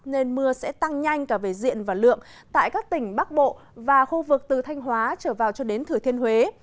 nên mưa sẽ tăng nhanh cả về diện và lượng tại các tỉnh bắc bộ và khu vực từ thanh hóa trở vào cho đến thừa thiên huế